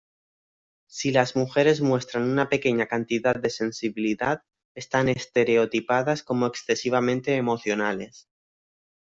Si las mujeres muestran una pequeña cantidad de sensibilidad, están estereotipadas como excesivamente emocionales.